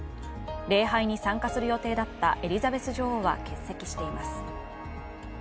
礼拝に参加する予定だったエリザベス女王は欠席しています。